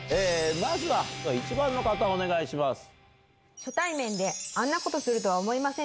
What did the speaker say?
まずは１番の方お願いします。